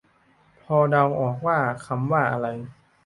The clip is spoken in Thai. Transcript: พอเดาออกว่าคำว่าอะไร